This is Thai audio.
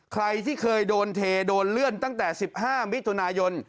ใครที่เคยโดนเทโดนเลื่อนตั้งแต่๑๕มิถุนายน